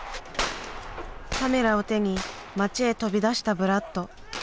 カメラを手に町へ飛び出したブラッド。